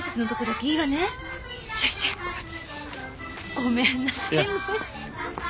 ごめんなさいね。